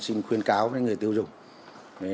xin khuyên cáo với người tiêu dùng